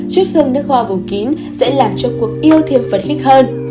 chút hương nước hoa vùng kín sẽ làm cho cuộc yêu thêm phấn khích hơn